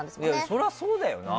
そりゃそうだよな。